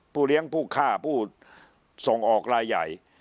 เลี้ยงผู้ฆ่าผู้ส่งออกรายใหญ่